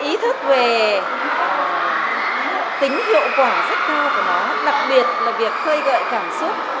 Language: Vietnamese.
ý thức về tính hiệu quả rất cao của nó đặc biệt là việc khơi gợi cảm xúc